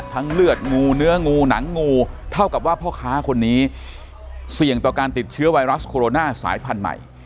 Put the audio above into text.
เลือดงูเนื้องูหนังงูเท่ากับว่าพ่อค้าคนนี้เสี่ยงต่อการติดเชื้อไวรัสโคโรนาสายพันธุ์ใหม่